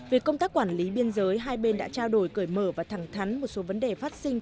về công tác quản lý biên giới hai bên đã trao đổi cởi mở và thẳng thắn một số vấn đề phát sinh